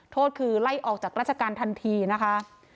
โทษคือไล่ออกจากราชการทันทีนะคะ